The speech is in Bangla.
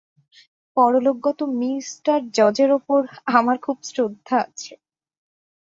পরলোকগত মি জজের উপর আমার খুব শ্রদ্ধা আছে।